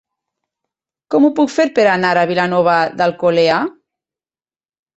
Com ho puc fer per anar a Vilanova d'Alcolea?